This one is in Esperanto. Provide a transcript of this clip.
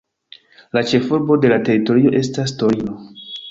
La ĉefurbo de la teritorio estas Torino.